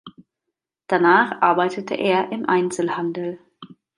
Danach arbeitete er im Einzelhandel.